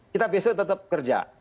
kita besok tetap kerja